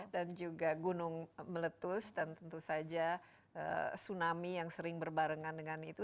dan juga gunung meletus dan tentu saja tsunami yang sering berbarengan dengan itu